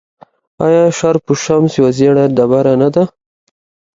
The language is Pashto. آیا شرف الشمس یوه ژیړه ډبره نه ده؟